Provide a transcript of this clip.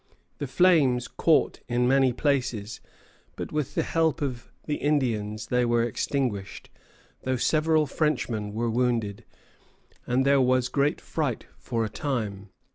The flames caught in many places; but with the help of the Indians they were extinguished, though several Frenchmen were wounded, and there was great fright for a time.